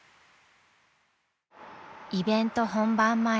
［イベント本番前］